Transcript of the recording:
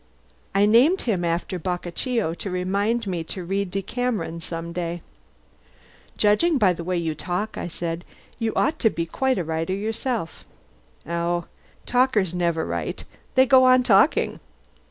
I named him after Boccaccio, to remind me to read the 'Decameron' some day." "Judging by the way you talk," I said, "you ought to be quite a writer yourself." "Talkers never write. They go on talking."